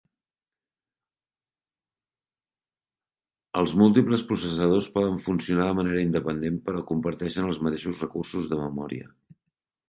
Els múltiples processadors poden funcionar de manera independent, però comparteixen els mateixos recursos de memòria.